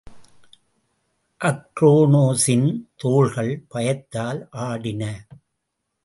அக்ரோனோசின் தோள்கள் பயத்தால் ஆடின.